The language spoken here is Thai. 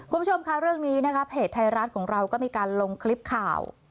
คุณผู้ชมค่ะเรื่องนี้นะคะเพจไทยรัฐของเราก็มีการลงคลิปข่าว